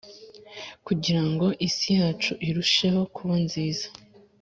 kugira ngo isi yacu irusheho kuba nziza